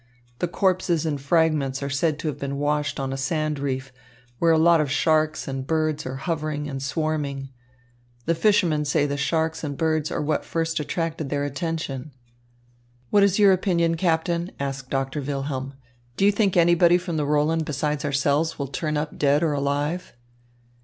The corpses and fragments are said to have been washed on a sand reef, where a lot of sharks and birds are hovering and swarming. The fishermen say the sharks and birds are what first attracted their attention." "What is your opinion, Captain?" asked Doctor Wilhelm. "Do you think anybody from the Roland beside ourselves will turn up dead or alive?"